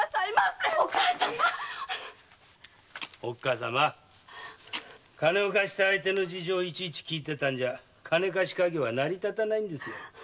お母様おっ母様貸した相手の事情をいちいち聞いてたんじゃ金貸し稼業は成り立たないんですよ。